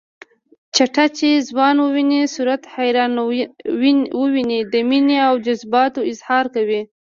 چټه چې ځوان وويني صورت حیران وويني د مینې او جذباتو اظهار کوي